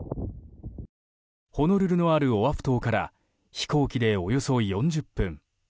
ホノルルのあるオアフ島から飛行機でおよそ４０分。